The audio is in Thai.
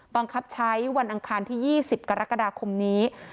บังคับใช้วันอังคารที่๒๐กรกฎาคมนี้